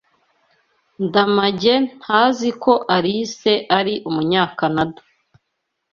Ndamage ntazi ko Alice ari Umunyakanada.